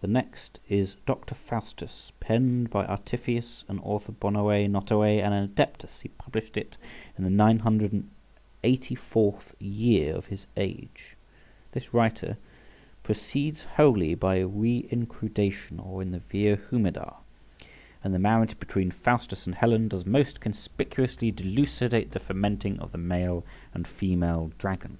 The next is "Dr. Faustus," penned by Artephius, an author bonæ notæ and an adeptus; he published it in the nine hundred and eighty fourth year {67a} of his age; this writer proceeds wholly by reincrudation, or in the via humida; and the marriage between Faustus and Helen does most conspicuously dilucidate the fermenting of the male and female dragon.